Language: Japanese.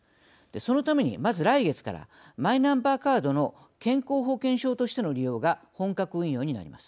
そのために、まず、来月からマイナンバーカードの健康保険証としての利用が本格運用になります。